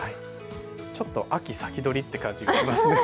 ちょっと秋先取りという感じがしますね。